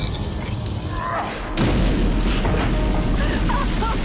アハハハ。